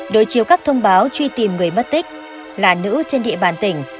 đối chiếu các thông báo truy tìm người mất tích là nữ trên địa bàn tỉnh